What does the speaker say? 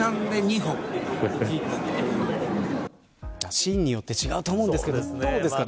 シーンによって違うと思うんですけど、どうですかね。